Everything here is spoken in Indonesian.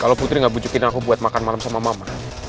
kalau putri gak bujukin aku buat makan malam sama mama